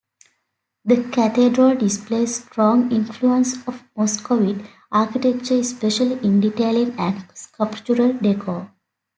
The cathedral displays strong influence of Muscovite architecture, especially in detailing and sculptural decor.